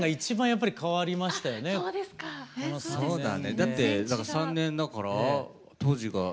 だって３年だから当時が。